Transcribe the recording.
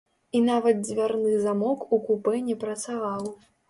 І нават дзвярны замок у купэ не працаваў.